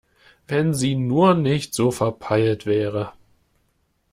Wenn sie nur nicht so verpeilt wäre!